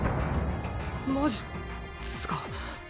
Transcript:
マジすか。